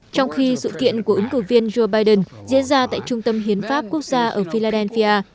trong khi sự kiện của ứng cử viên joe biden diễn ra tại trung tâm hiến pháp quốc gia ở philadelphia